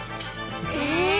え！